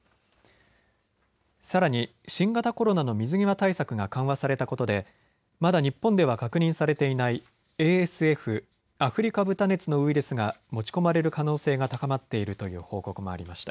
さらに新型コロナの水際対策が緩和されたことで、まだ日本では確認されていないＡＳＦ・アフリカ豚熱のウイルスが持ち込まれる可能性が高まっているという報告もありました。